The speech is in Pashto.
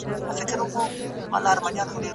هغه کارګران چې مهارت لري لوړ معاش ترلاسه کوي.